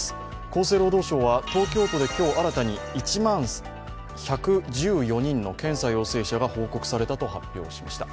厚生労働省は東京都で今日新たに１万１１４人の検査陽性者が報告されたと発表しました。